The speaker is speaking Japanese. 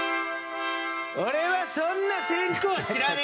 俺はそんな先公知らねえ！